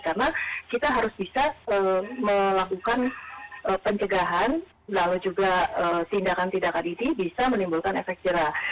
karena kita harus bisa melakukan pencegahan lalu juga tindakan tidak adidi bisa menimbulkan efek jerah